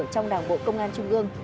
trong đảng bộ công an trung ương